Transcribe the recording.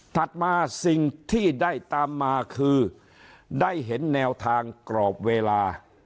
มาสิ่งที่ได้ตามมาคือได้เห็นแนวทางกรอบเวลา